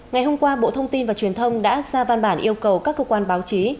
ngày hôm qua bộ thông tin và truyền thông đã ra văn bản yêu cầu các cơ quan báo chí